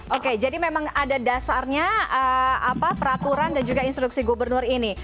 oke jadi memang ada dasarnya peraturan dan juga instruksi gubernur ini